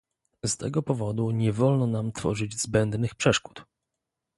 Z tego powodu nie wolno nam tworzyć zbędnych przeszkód